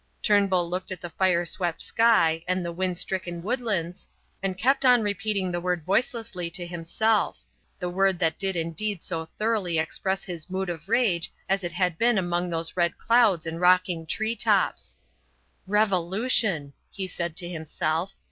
Turnbull looked at the fire swept sky and the wind stricken woodlands, and kept on repeating the word voicelessly to himself the word that did indeed so thoroughly express his mood of rage as it had been among those red clouds and rocking tree tops. "Revolution!" he said to himself.